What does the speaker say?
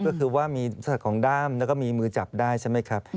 ก็คือว่ามีของด้ามแล้วก็มีมือจับได้ใช่ไหมครับ